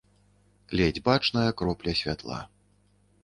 Ледзь бачная кропля святла.